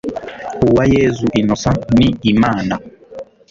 uwayezu Innocent ni Imana